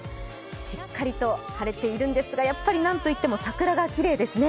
しっかりと晴れているんですが何と言っても桜がきれいですね。